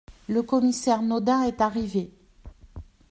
Le commissaire Naudin est arrivé.